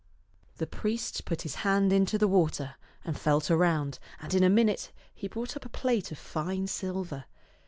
I'he priest put his hand into the water and felt around, and in a minute he brought up a plate of fine silver.